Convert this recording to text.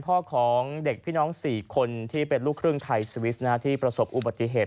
พ่อของเด็กพี่น้อง๔คนที่เป็นลูกครึ่งไทยสวิสที่ประสบอุบัติเหตุ